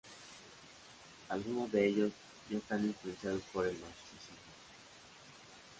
Algunos de ellos ya están influenciados por el marxismo.